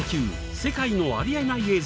世界のありえない映像」。